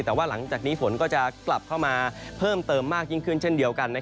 แต่ว่าหลังจากนี้ฝนก็จะกลับเข้ามาเพิ่มเติมมากยิ่งขึ้นเช่นเดียวกัน